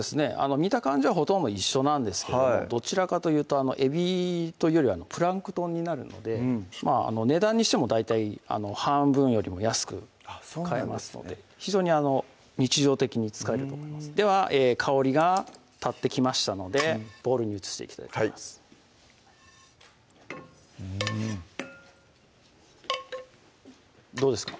見た感じはほとんど一緒なんですけどもどちらかというとえびというよりプランクトンになるのでまぁ値段にしても大体半分よりも安く買えますので非常に日常的に使えると思いますでは香りが立ってきましたのでボウルに移していきたいと思いますどうですか？